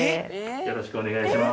よろしくお願いします。